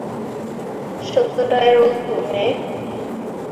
সত্যটা এর উল্টো, মেয়ে।